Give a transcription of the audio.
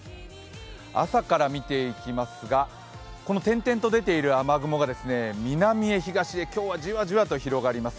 朝から見ていきますが、この点々と出ている雨雲が南へ、東へ今日はじわじわと広がります。